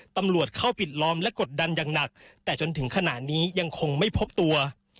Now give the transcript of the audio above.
ตำรวจเข้าปิดล้อมและกดดันอย่างหนักแต่จนถึงขณะนี้ยังคงไม่พบตัว